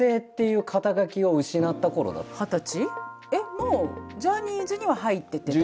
もうジャニーズには入っててってこと？